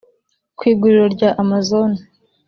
Ku iguriro rya ‘Amazon’